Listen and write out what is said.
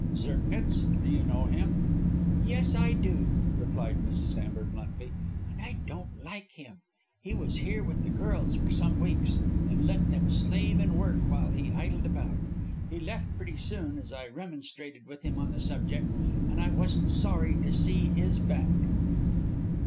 "Zirknitz, do you know him?" "Yes, I do," replied Mrs. Amber, bluntly, "and I don't like him. He was here with the girls for some weeks, and let them slave and work while he idled about. He left pretty soon, as I remonstrated with him on the subject, and I wasn't sorry to see his back."